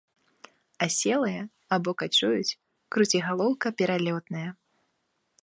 Аселыя або качуюць, круцігалоўка пералётная.